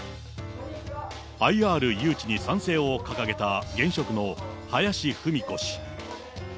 ＩＲ誘致に賛成を掲げた、現職の林文子氏。